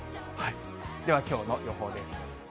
では、きょうの予報です。